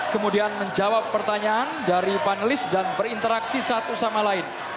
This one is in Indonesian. kemudian menjawab pertanyaan dari panelis dan berinteraksi satu sama lain